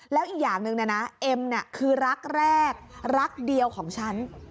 แล้วอีกอย่างหนึ่งเอ็มคือรักแรกรักเดียวของฉัน